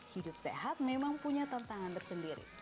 hidup sehat memang punya tantangan tersendiri